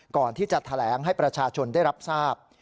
ก่อนที่จะแถลงให้ประชาชนได้รับทราบ